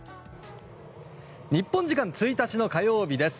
日本時間１日の火曜日です。